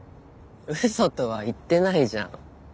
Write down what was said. ウソとは言ってないじゃん。